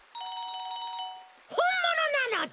ほんものなのだ！